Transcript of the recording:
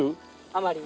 あまり。